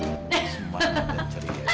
semangat dan ceria